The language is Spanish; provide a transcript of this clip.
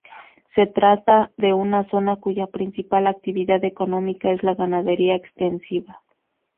Se trata de una zona cuya principal actividad económica es la ganadería extensiva.